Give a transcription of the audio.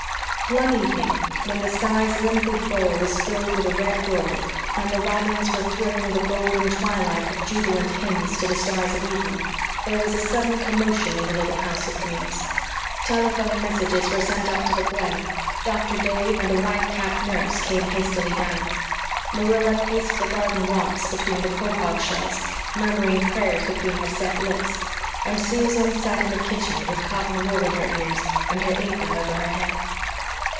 One evening, when the sky's limpid bowl was filled with a red glory, and the robins were thrilling the golden twilight with jubilant hymns to the stars of evening, there was a sudden commotion in the little house of dreams. Telephone messages were sent up to the Glen, Doctor Dave and a white capped nurse came hastily down, Marilla paced the garden walks between the quahog shells, murmuring prayers between her set lips, and Susan sat in the kitchen with cotton wool in her ears and her apron over her head.